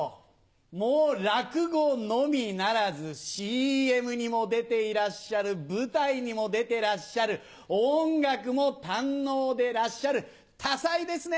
もう落語のみならずＣＭにも出ていらっしゃる舞台にも出てらっしゃる音楽も堪能でらっしゃる多才ですね